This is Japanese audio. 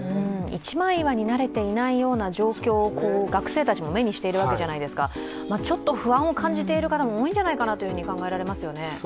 一枚岩になれていないような状況を学生たちも目にしているわけじゃないですかちょっと不安を感じている方も多いんじゃないかなと考えられますよね。